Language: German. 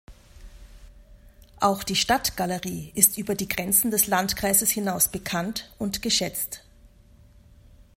Auch die Stadtgalerie ist über die Grenzen des Landkreises hinaus bekannt und geschätzt.